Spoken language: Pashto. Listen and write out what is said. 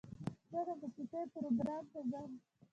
زه د موسیقۍ پروګرام ته ځم.